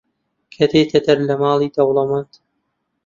کە دێتە دەر لە ماڵی دەوڵەمەند